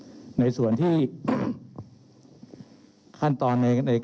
เรามีการปิดบันทึกจับกลุ่มเขาหรือหลังเกิดเหตุแล้วเนี่ย